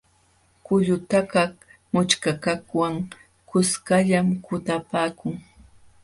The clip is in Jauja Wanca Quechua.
Qullutakaq mućhkakaqwan kuskallam kutapaakun.